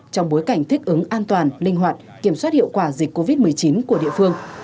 trong bối cảnh thích ứng an toàn linh hoạt kiểm soát hiệu quả dịch covid một mươi chín của địa phương